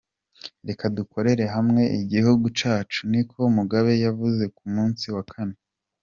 Reka dukorere hamwe igihugu cacu," niko Mugabe yavuze ku munsi wa kane.